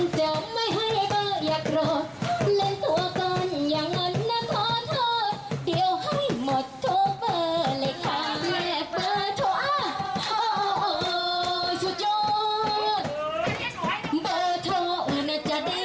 เดี๋ยวให้หมดโทรเบอร์เลยค่ะ